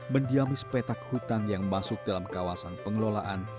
mendiami sepetak hutan yang masuk dalam kawasan pengelolaan